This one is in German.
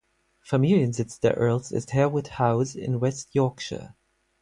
Familiensitz der Earls ist Harewood House in West Yorkshire.